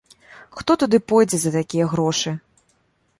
Хто туды пойдзе за такія грошы?